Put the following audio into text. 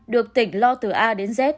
được tỉnh lo từ a đến z